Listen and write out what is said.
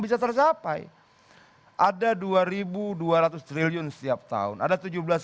bisa tercapai ada rp dua ribu dua ratus triliun setiap tahun ada